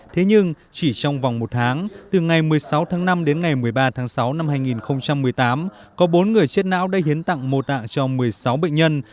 thế nhưng chỉ trong vòng một tháng từ ngày một mươi sáu tháng năm đến ngày một mươi ba tháng sáu năm hai nghìn một mươi tám có bốn người chết não đã hiến tặng mô tạng cho một mươi sáu bệnh nhân